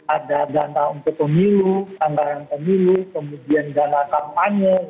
untuk pemilu tanggangan pemilu kemudian dana kampanye